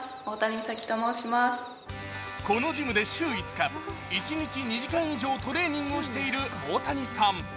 このジムで週５日、一日２時間以上トレーニングをしている大谷さん。